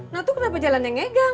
nah itu kenapa jalannya ngegang